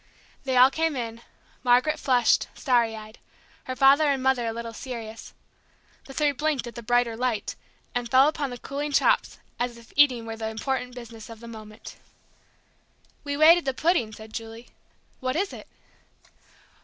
They all came in, Margaret flushed, starry eyed; her father and mother a little serious. The three blinked at the brighter light, and fell upon the cooling chops as if eating were the important business of the moment. "We waited the pudding," said Julie. "What is it?"